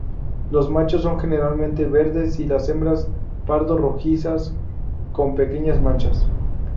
Los machos son generalmente verdes y las hembras pardo-rojizas con pequeñas manchas.